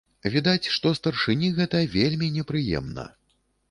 Відаць, што старшыні гэта вельмі непрыемна.